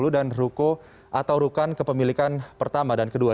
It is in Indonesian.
dan ruko atau rukan kepemilikan pertama dan kedua